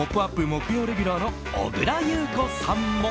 木曜レギュラーの小倉優子さんも。